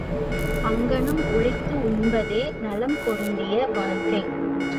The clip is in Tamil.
அங்ஙனம் உழைத்து உண்பதே நலம் பொருந்திய வாழ்க்கை.